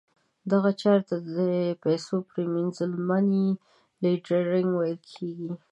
دغه چارې ته د پیسو پریمینځل یا Money Laundering ویل کیږي.